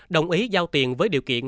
đồng ý giao tiền với điều kiện